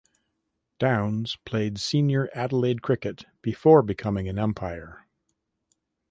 Downs played senior Adelaide cricket before becoming an umpire.